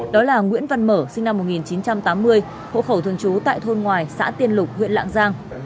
đó là nguyễn văn mở sinh năm một nghìn chín trăm tám mươi hộ khẩu thường trú tại thôn ngoài xã tiên lục huyện lạng giang